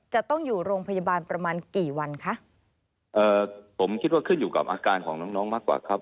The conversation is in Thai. จะต้องอยู่โรงพยาบาลประมาณกี่วันคะเอ่อผมคิดว่าขึ้นอยู่กับอาการของน้องน้องมากกว่าครับ